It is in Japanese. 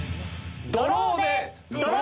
ドローでドロン！